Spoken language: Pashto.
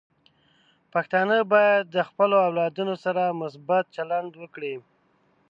پښتانه بايد د خپلو اولادونو سره مثبت چلند وکړي.